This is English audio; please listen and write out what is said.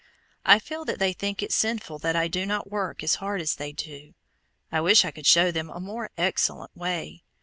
I feel that they think it sinful that I do not work as hard as they do. I wish I could show them "a more excellent way."